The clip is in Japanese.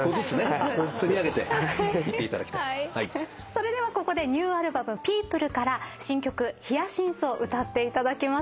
それではここでニューアルバム『ＰＥＯＰＬＥ』から新曲『風信子』を歌っていただきます。